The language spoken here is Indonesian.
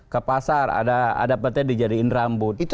ke pasar ada petai dijadiin rambut